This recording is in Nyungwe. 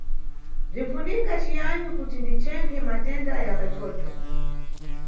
Bzinʼfunika ciyani kuti ndichenkhe matenda ya kachocho?